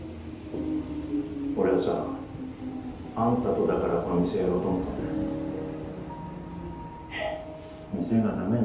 俺はさあんたとだからこの店やろうと思ったんだ。